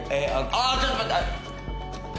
ああっちょっと待って！